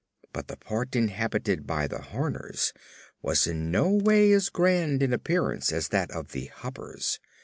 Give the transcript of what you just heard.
But the part inhabited by the Horners was in no way as grand in appearance as that of the Hoppers.